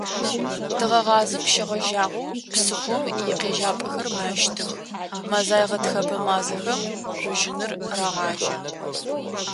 Тыгъэгъазэм щегъэжьагъэу псыхъом икъежьапӏэхэр мэщтых, мэзай – гъэтхэпэ мазэхэм жъужьыныр рагъажьэ.